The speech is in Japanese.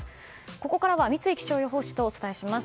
ここからは三井気象予報士とお伝えします。